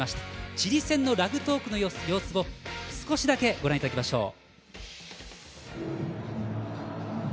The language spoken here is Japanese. チリ戦の「＃超ラグトーク」の様子を少しだけ、ご覧いただきましょう。